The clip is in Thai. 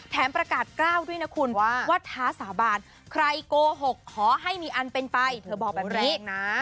ประกาศกล้าวด้วยนะคุณว่าท้าสาบานใครโกหกขอให้มีอันเป็นไปเธอบอกแบบนี้นะ